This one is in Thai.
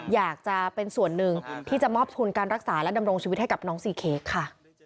อยากจะเป็นส่วนหนึ่งที่จะมอบทุนการรักษาและดำรงชีวิตให้กับน้องซีเค้กค่ะ